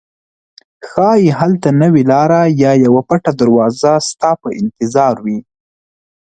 ښایي هلته نوې لاره یا یوه پټه دروازه ستا په انتظار وي.